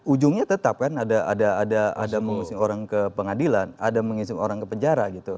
ujungnya tetap kan ada mengusung orang ke pengadilan ada mengisi orang ke penjara gitu